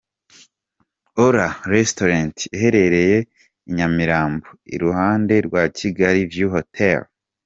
Ora Restaurant iherereye I nyamirambo iruhande rwa Kigali View Hotel.